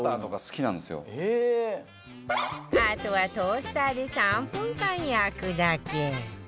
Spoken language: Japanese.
あとはトースターで３分間焼くだけ